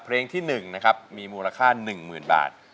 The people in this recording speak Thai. เพลงที่๑มีมูลค่า๑๐๐๐๐บาท